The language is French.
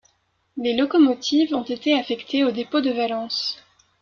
Les locomotives ont été affectées au dépôt de Valence.